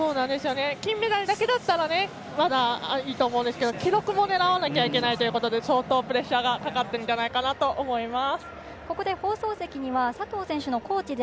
金メダルだけだったらまだいいと思うんですけど記録も狙わないといけないということで相当プレッシャーがかかっていると思います。